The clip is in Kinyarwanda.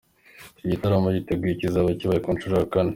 Iki gitaramo riteguye kizaba kibaye ku nshuro ya kane.